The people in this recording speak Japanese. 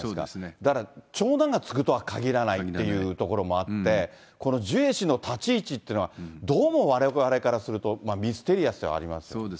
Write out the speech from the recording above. だから長男が継ぐとはかぎらないっていうところもあって、このジュエ氏の立ち位置っていうのは、どうもわれわれからするとミステリアスではあります。